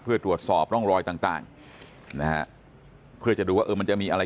เพื่อตรวจสอบร่องรอยต่างนะฮะเพื่อจะดูว่าเออมันจะมีอะไร